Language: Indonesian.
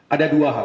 ada dua hal